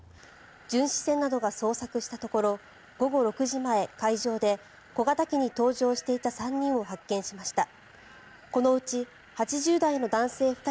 巡視船などが捜索したところ午後６時前、海上で小型機に搭乗していた３人を発見しました。